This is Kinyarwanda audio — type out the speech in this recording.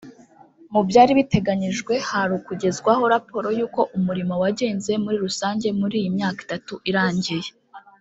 Mu byari biteganyijwe hari ukugezwaho raporo y’uko umurimo wagenze muri rusange muri iyi myaka itatu irangiye